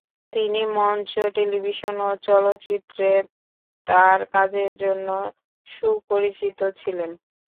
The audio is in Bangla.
তিনি মঞ্চ, টেলিভিশন ও চলচ্চিত্রে তার কাজের জন্য সুপরিচিত ছিলেন।